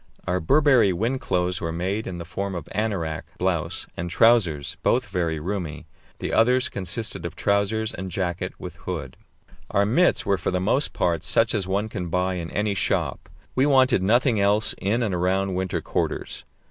Our Burberry wind clothes were made in the form of anorak (blouse) and trousers, both very roomy. The others consisted of trousers and jacket with hood. Our mits were for the most part such as one can buy in any shop; we wanted nothing else in and around winter quarters.